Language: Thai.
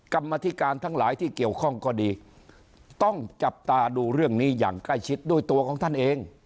กรรมธิการทั้งหลายที่เกี่ยวข้องก็ดีต้องจับตาดูเรื่องนี้อย่างใกล้ชิดด้วยตัวของท่านเอง